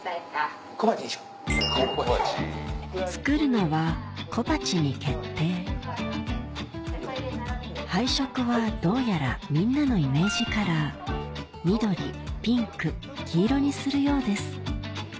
作るのは小鉢に決定配色はどうやらみんなのイメージカラー緑ピンク黄色にするようです